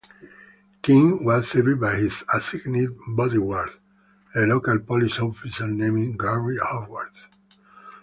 King was saved by his assigned bodyguard, a local police officer named Garrit Howard.